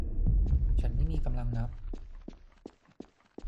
ฉันไม่มีกำลังนับ